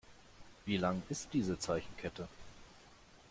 Wie lang ist diese Zeichenkette?